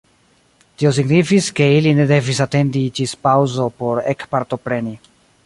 Tio signifis, ke ili ne devis atendi ĝis paŭzo por ekpartopreni.